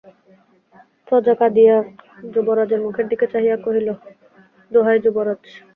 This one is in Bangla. প্রজা কাঁদিয়া যুবরাজের মুখের দিকে চাহিয়া কহিল, দোহাই যুবরাজ।